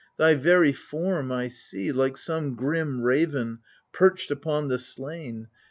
Thy very form I see, Like some grim raven, perched upon the slain.